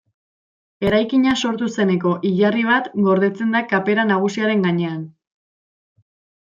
Eraikina sortu zeneko hilarri bat gordetzen da kapera nagusiaren gainean.